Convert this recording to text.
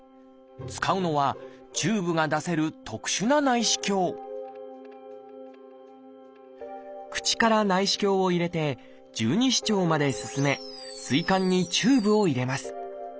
使うのはチューブが出せる特殊な内視鏡口から内視鏡を入れて十二指腸まで進め膵管にチューブを入れます。